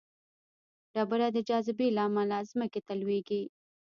ډبره د جاذبې له امله ځمکې ته لویږي.